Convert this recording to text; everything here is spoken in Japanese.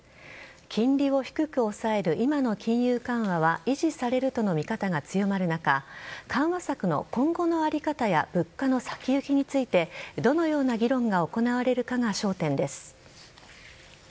金利を低く抑える今の金融緩和は維持されるとの見方が強まる中緩和策の今後の在り方や物価の先行きについてどのような議論が行われるかが焦点です。